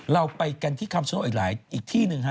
เราไปกันที่คำชโนธอีกหลายอีกที่หนึ่งฮะ